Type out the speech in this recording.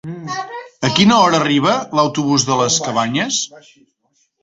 A quina hora arriba l'autobús de les Cabanyes?